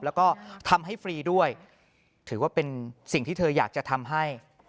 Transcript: แล้วก็ทำให้ฟรีด้วยถือว่าเป็นสิ่งที่เธออยากจะทำให้